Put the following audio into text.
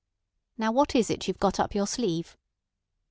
"Now what is it you've got up your sleeve?"